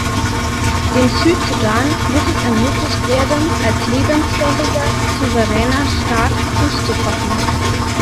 Dem Südsudan muss es ermöglicht werden, als lebensfähiger, souveräner Staat Fuß zu fassen.